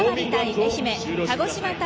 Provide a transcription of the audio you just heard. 愛媛鹿児島対